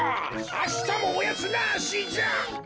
あしたもおやつなしじゃ！